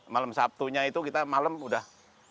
malam sabtu nya itu kita malam sudah